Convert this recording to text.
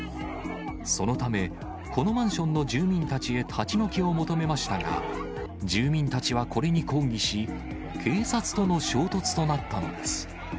そのため、このマンションの住民たちへ立ち退きを求めましたが、住民たちはこれに抗議し、警察との衝突となったのです。